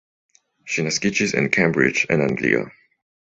Ŝi naskiĝis en Cambridge en Anglio.